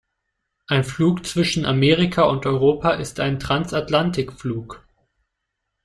Ein Flug zwischen Amerika und Europa ist ein Transatlantikflug.